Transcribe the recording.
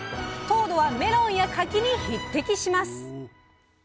糖度はメロンや柿に匹敵します！